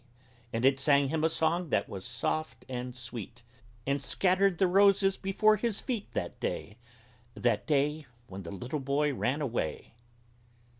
And it sang him a song that was soft and sweet, And scattered the roses before his feet That day that day When the little boy ran away.